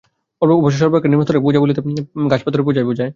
অবশ্য সর্বাপেক্ষা নিম্নস্তরের পূজা বলিতে গাছ-পাথরের পূজাই বুঝায়।